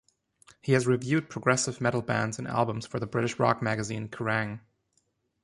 He has reviewed progressive metal bands and albums for the British rock magazine Kerrang!